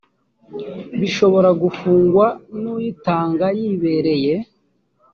bishobora gufungwa n uyitanga yibereye